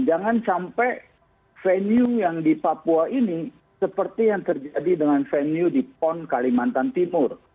jangan sampai venue yang di papua ini seperti yang terjadi dengan venue di pon kalimantan timur